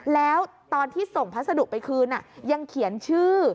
แล้วตอนที่ส่งพัสดุไปคืนยังเขียนชื่อ